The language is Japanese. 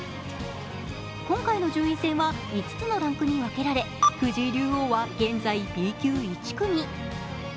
今回の順位戦は５つのランクに分けられ藤井竜王は現在、Ｂ級１組。